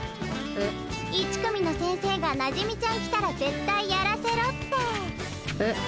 １組の先生がなじみちゃん来たら絶対やらせろって。え？